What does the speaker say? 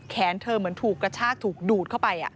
เธอเหมือนถูกกระชากถูกดูดเข้าไป